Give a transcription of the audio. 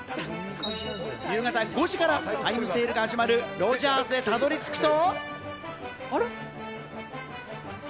夕方５時からのタイムセールが始まるロヂャースへたどり着くと。